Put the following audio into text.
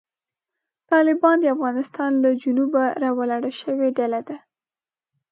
طالبان د افغانستان له جنوبه راولاړه شوې ډله ده.